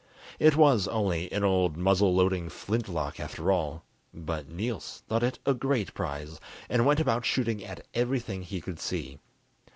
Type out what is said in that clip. It was only an old muzzle loading flint lock after all, but Niels thought it a great prize, and went about shooting at everything he could see.